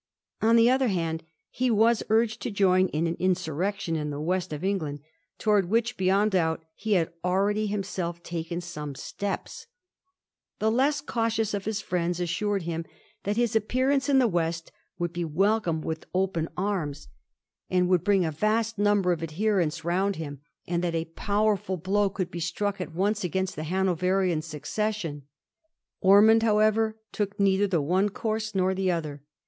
On the other hand, he was urged to join in an insurrection in the West of England, towards which, beyond doubt, he had already himself taken some steps. The less cautious of his friends assured him that his appearance in the West would be welcomed with open arms, and would VOL. I. L Digiti zed by Google 146 A HISTORY OF THE FOUR GEORGES. ch. vi. bring a vast number of adherents round him, and that a powerful blow could be struck at once a^rainst the Hanoverian succession. Ormond, however, took neither the one course nor the other.